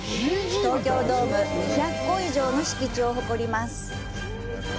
東京ドーム２００個以上の敷地を誇ります。